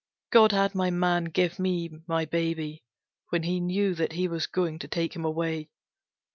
God had my man give me my baby, when He knew that He was going to take him away.